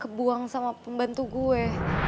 kebuang sama pembantu gue